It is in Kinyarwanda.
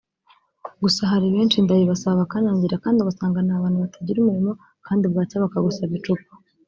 gusa hari benshi ndabibasaba bakanyangira kandi ugasanga ni n’abantu batagira umurimo kandi bwacya bakagusaba icupa